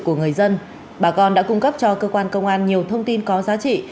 của người dân bà con đã cung cấp cho cơ quan công an nhiều thông tin có giá trị